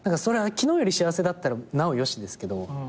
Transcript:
昨日より幸せだったらなおよしですけど。